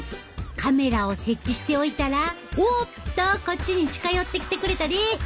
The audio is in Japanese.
カメラを設置しておいたらおっとこっちに近寄ってきてくれたで！